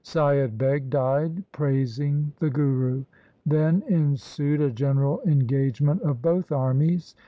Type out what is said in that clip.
Saiyad Beg died praising the Guru. Then ensued a general engage ment of both armies.